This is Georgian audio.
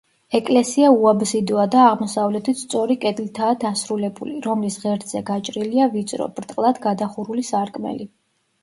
ეკლესია უაბსიდოა და აღმოსავლეთით სწორი კედლითაა დასრულებული, რომლის ღერძზე გაჭრილია ვიწრო, ბრტყლად გადახურული სარკმელი.